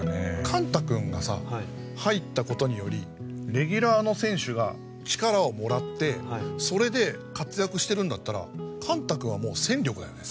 幹汰君がさ入った事によりレギュラーの選手が力をもらってそれで活躍してるんだったら幹汰君はもう戦力だよね。